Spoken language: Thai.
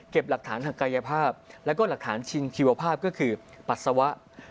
หลักฐานทางกายภาพแล้วก็หลักฐานชิงชีวภาพก็คือปัสสาวะ